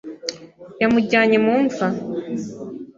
Yamujyanye mu mva